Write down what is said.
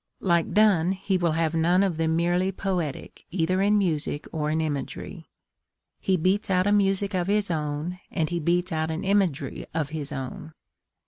Like Donne, he will have none of the merely poetic, either in music or in imagery. He beats out a music of his own and he beats out an imagery of his own.